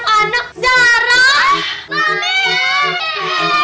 ketengnya zara ketemu